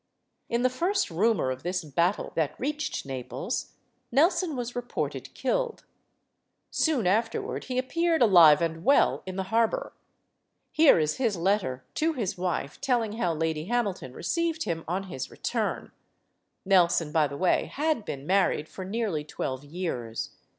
In the first rumor of this battle that reached Naples, Nelson was reported killed. Soon afterward he ap peared, alive and well, in the harbor. Here is his letter to his wife, telling how Lady Hamilton received him LADY HAMILTON 265 on his return. Nelson, by the way, had been married for nearly twelve years.